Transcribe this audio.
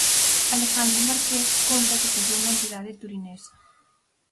Alejandro Marqués conta que pasou na entidade turinesa.